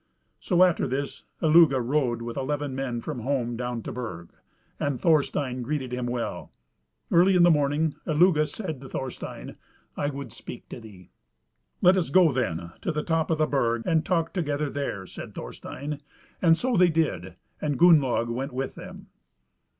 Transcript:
So after this Illugi rode with eleven men from home down to Burg, and Thorstein greeted him well. Early in the morning Illugi said to Thorstein, "I would speak to thee." "Let us go, then, to the top of the Burg, and talk together there," says Thorstein; and so they did, and Gunnlaug went with them.